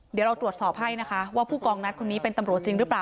เดี๋ยวเราตรวจสอบให้นะคะว่าผู้กองนัดคนนี้เป็นตำรวจจริงหรือเปล่า